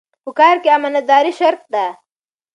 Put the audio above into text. په کار کې امانتداري شرط ده.